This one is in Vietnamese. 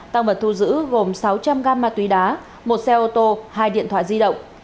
tăng vật thu giữ gồm sáu trăm linh gam ma túy đá một xe ô tô hai điện thoại di động